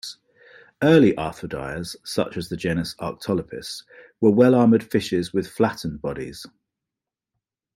Early arthrodires, such as the genus "Arctolepis", were well-armoured fishes with flattened bodies.